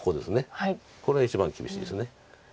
これが一番厳しいです。